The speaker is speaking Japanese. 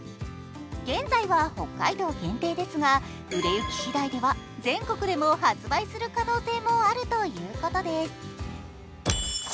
現在は北海道限定ですが、売れ行きしだいでは全国でも発売する可能性もあるということです。